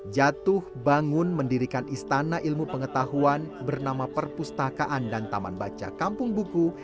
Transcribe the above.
jatuh bangun mendirikan istana ilmu pengetahuan bernama perpustakaan dan taman baca kampung buku